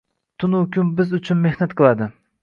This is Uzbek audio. Tun-u kun biz uchun mehnat qiladi.